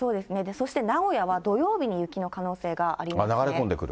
そして名古屋は土曜日に雪の可能性がありますね。